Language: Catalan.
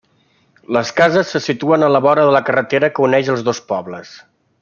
Les cases se situen a la vora de la carretera que uneix els dos pobles.